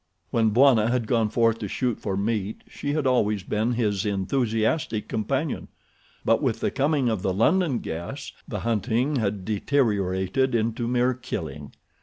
When Bwana had gone forth to shoot for meat she had always been his enthusiastic companion; but with the coming of the London guests the hunting had deteriorated into mere killing.